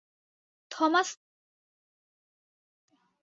Thomas তোদের গত রাতে বাজারে দেখেছে।